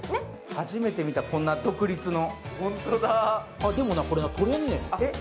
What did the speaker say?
初めて見た、こんな独立の。